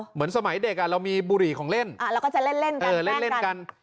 เหมือนสมัยเด็กเรามีบุหรี่ของเล่นเราก็จะเล่นกันเล่นกัน